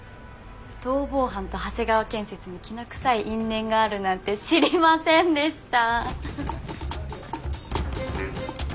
逃亡犯と長谷川建設にきな臭い因縁があるなんて知りませんでした。